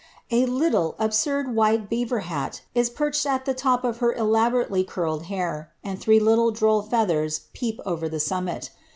351 little, absurd, white beaver hat is perched at the top of her elaborately curled hair, and three little droll feathers peep over the summit.